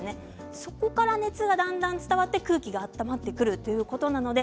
そこから熱がだんだん伝わって空気が温まってくるんです。